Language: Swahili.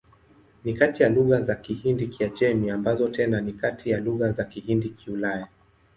Ni kati ya lugha za Kihindi-Kiajemi, ambazo tena ni kati ya lugha za Kihindi-Kiulaya.